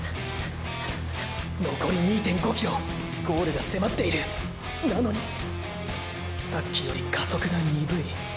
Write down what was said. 残り２．５キロゴールが迫っているなのにさっきより加速が鈍い。